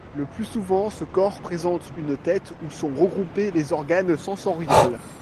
Le plus souvent ce corps présente une tête où sont regroupés les organes sensoriels.